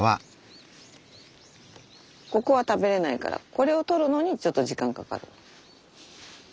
ここは食べれないからこれを取るのにちょっと時間かかる。